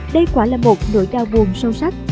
đây quả là một nỗi đau buồn sâu sắc